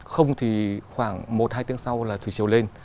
không thì khoảng một hai tiếng sau là thủy chiều lên